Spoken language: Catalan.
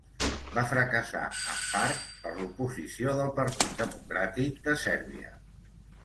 Va fracassar, en part per l'oposició del Partit Democràtic de Serbia.